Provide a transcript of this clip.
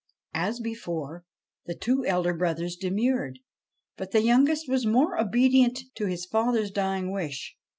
' As before, the two elder brothers demurred, but the youngest was more obedient to his father's dying wish.